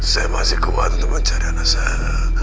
saya masih kuat untuk mencari anak saya